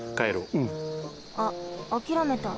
うん。あっあきらめた。